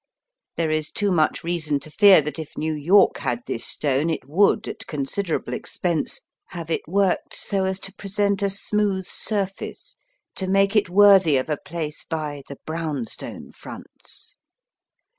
There is too much reason to fear that if New York had this stone it would, at considerable expense, have it worked so as to present a smooth surface to make it worthy of a place by ''the brown stone fronts."